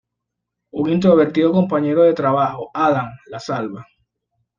Un introvertido compañero de trabajo, Adam, la salva.